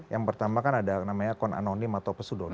yang pertama kan ada namanya account anonim atau pseudonym